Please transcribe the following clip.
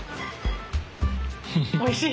おいしい。